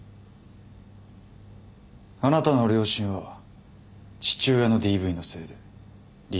あなたの両親は父親のＤＶのせいで離婚されている。